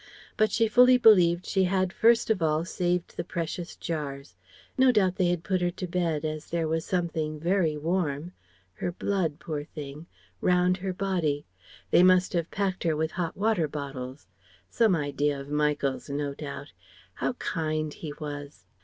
But she fully believed she had first of all saved the precious jars. No doubt they had put her to bed, and as there was something warm (her blood, poor thing) round her body, they must have packed her with hot water bottles. Some idea of Michael's no doubt. How kind he was!